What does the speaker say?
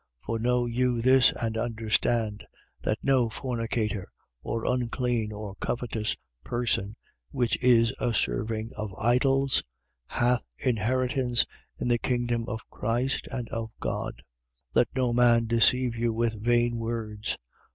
5:5. For know you this and understand: That no fornicator or unclean or covetous person (which is a serving of idols) hath inheritance in the kingdom of Christ and of God. 5:6. Let no man deceive you with vain words.